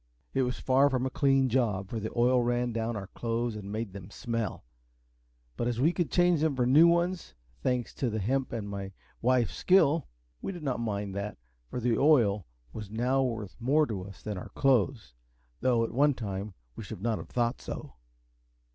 It was far from a clean job, for the oil ran down our clothes and made them smell; but as we could change them for new ones, thanks to the hemp and my wife's skill, we did not mind that, for the oil was now worth more to us than our clothes, though at one time we should not have thought so.